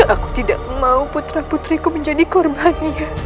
aku tidak mau putra putriku menjadi korbannya